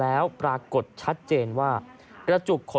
และถือเป็นเคสแรกที่ผู้หญิงและมีการทารุณกรรมสัตว์อย่างโหดเยี่ยมด้วยความชำนาญนะครับ